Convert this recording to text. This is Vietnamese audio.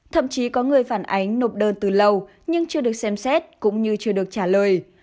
thậm chí có người phản ánh nộp đơn từ lâu nhưng chưa được xem xét cũng như chưa được trả lời